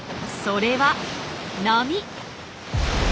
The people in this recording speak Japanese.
それは波。